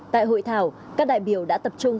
tại hội thảo các đại biểu đã tập trung